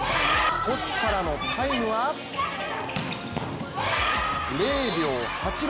トスからのタイムは０秒８６！